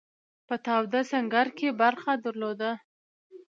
په تاوده سنګر کې برخه درلوده.